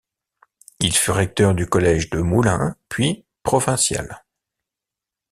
Il fut recteur du Collège de Moulins, puis Provincial.